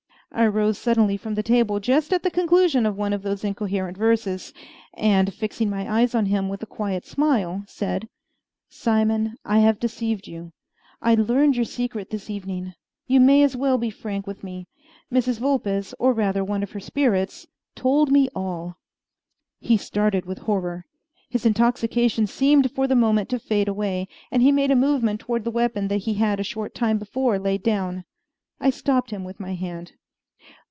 I rose suddenly from the table just at the conclusion of one of those incoherent verses, and, fixing my eyes on him with a quiet smile, said, "Simon, I have deceived you. I learned your secret this evening. You may as well be frank with me. Mrs. Vulpes or rather, one of her spirits told me all." He started with horror. His intoxication seemed for the moment to fade away, and he made a movement toward the weapon that he had a short time before laid down, I stopped him with my hand.